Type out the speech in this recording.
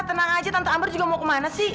tenang aja tante amber juga mau kemana sih